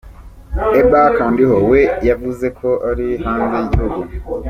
Abel Kandiho we yavuze ko ari “hanze y’igihugu”.